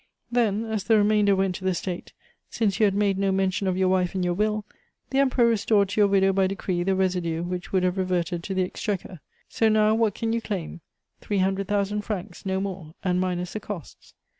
Then, as the remainder went to the State, since you had made no mention of your wife in your will, the Emperor restored to your widow by decree the residue which would have reverted to the Exchequer. So, now, what can you claim? Three hundred thousand francs, no more, and minus the costs."